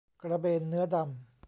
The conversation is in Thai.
กระเบนเนื้อดำ